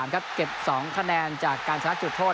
เก็บ๒คะแนนจากการชนะจุดโทษ